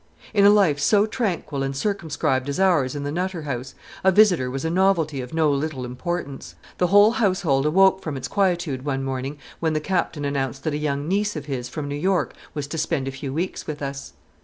In a life so tranquil and circumscribed as ours in the Nutter House, a visitor was a novelty of no little importance. The whole household awoke from its quietude one morning when the Captain announced that a young niece of his from New York was to spend a few weeks with us.